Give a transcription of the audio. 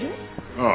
ああ。